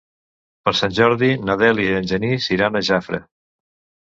Per Sant Jordi na Dèlia i en Genís iran a Jafre.